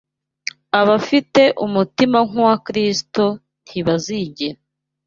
Abafite umutima nk’uwa Kristo ntibazigera